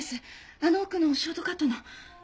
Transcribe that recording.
あの奥のショートカットの。